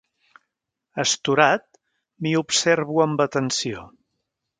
Astorat, m'hi observo amb atenció.